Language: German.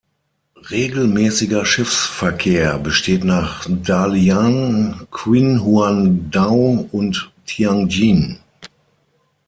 Regelmäßiger Schiffsverkehr besteht nach Dalian, Qinhuangdao und Tianjin.